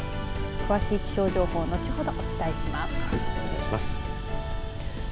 詳しい気象情報後ほどお伝えします。